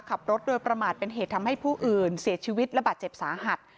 ขับรถโดยประมาทเป็นเหตุทำให้ผู้อื่นเสียชีวิตและบาดเจ็บสาหัส